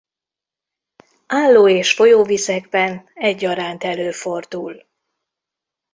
Álló- és folyóvizekben egyaránt előfordul.